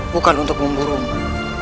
bukan untuk memburumu